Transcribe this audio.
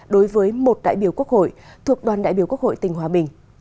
đối với một đại biểu quốc hội thuộc đoàn đại biểu quốc hội tỉnh hòa bình